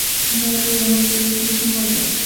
দাদী, আমাকে একটু সময় দাও।